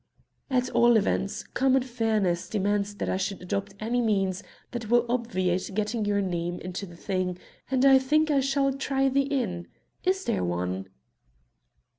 "At all events common fairness demands that I should adopt any means that will obviate getting your name into the thing, and I think I shall try the inn. Is there one?"